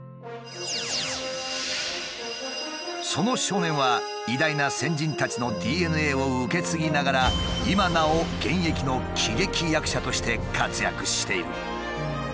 その少年は偉大な先人たちのＤＮＡを受け継ぎながら今なお現役の喜劇役者として活躍している。